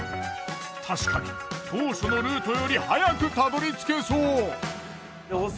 確かに当初のルートより早くたどりつけそう。